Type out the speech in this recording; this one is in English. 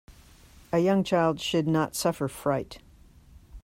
A young child should not suffer fright.